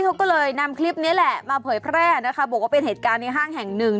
เขาก็เลยนำคลิปนี้แหละมาเผยแพร่นะคะบอกว่าเป็นเหตุการณ์ในห้างแห่งหนึ่ง